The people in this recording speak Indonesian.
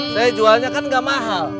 saya jualnya kan nggak mahal